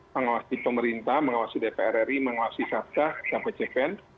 mengawasi pemerintah mengawasi dpr ri mengawasi satgas sampai cpn